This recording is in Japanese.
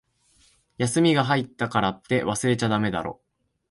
休みが入ったからって、忘れちゃだめだろ。